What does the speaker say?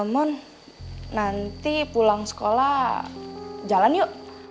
mon nanti pulang sekolah jalan yuk